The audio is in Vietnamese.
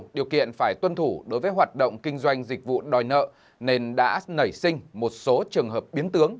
điều kiện phải tuân thủ đối với hoạt động kinh doanh dịch vụ đòi nợ nên đã nảy sinh một số trường hợp biến tướng